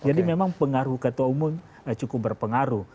jadi memang pengaruh ketua umum cukup berpengaruh